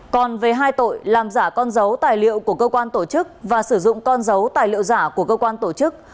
còn về hai tội làm giả con dấu tài liệu của cơ quan tổ chức và sử dụng con dấu tài liệu giả của cơ quan tổ chức